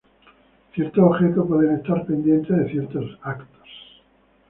Ciertos objetos pueden estar pendientes de ciertos eventos.